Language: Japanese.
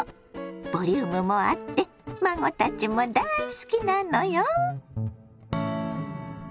ボリュームもあって孫たちも大好きなのよ。